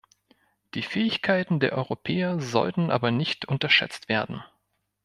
Die Fähigkeiten der Europäer sollten aber nicht unterschätzt werden.